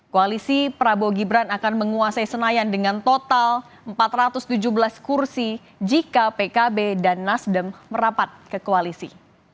koalisi prabowo gibran akan menguasai senayan dengan total empat ratus tujuh belas kursi jika pkb dan nasdem merapat ke koalisi